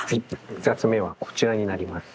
２冊目はこちらになります。